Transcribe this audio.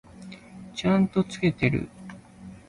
ちゃんと付けてる？